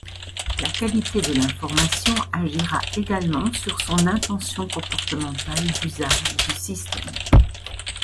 La qualité de l’information agira également sur son intention comportementales d'usage du système.